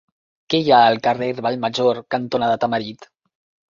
Què hi ha al carrer Vallmajor cantonada Tamarit?